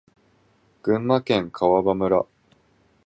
群馬県川場村